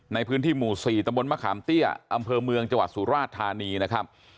ในพื้นที่หมู่๔ตำบลมะขามเตี้ยอำเภอเมืองจังหวัดสุราชธานีนะครับ